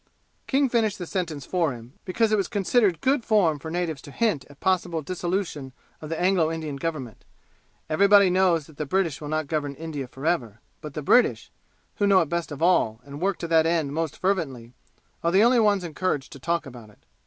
King finished the sentence for him because it is not considered good form for natives to hint at possible dissolution of the Anglo Indian Government. Everybody knows that the British will not govern India forever, but the British who know it best of all, and work to that end most fervently are the only ones encouraged to talk about it.